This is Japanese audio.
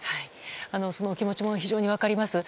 そのお気持ちも非常に分かります。